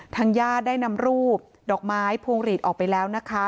ทางญาติได้นำรูปดอกไม้พวงหลีดออกไปแล้วนะคะ